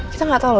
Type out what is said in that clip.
kita gak tau loh